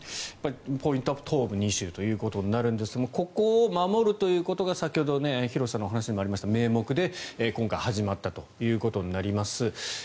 やっぱりポイントは東部２州となるんですがここを守るということが先ほど、廣瀬さんの話にもありましたが名目で、今回始まったということになります。